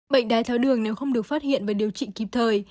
bệnh đáy thao đường nếu không được phát hiện và điều trị kịp thời